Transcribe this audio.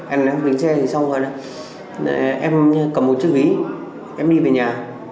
em lấy cổng bằng đá xong rồi em cầm một chiếc ví em đi về nhà